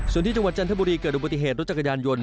ส่วนที่จังหวัดจันทบุรีเกิดอุบัติเหตุรถจักรยานยนต์